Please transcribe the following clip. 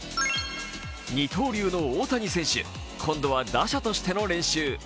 二刀流の大谷選手、今度は打者としての練習。